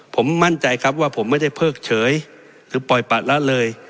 ผมมั่นใจครับว่าผมไม่ได้เพิกเฉยหรือปล่อยปะละเลย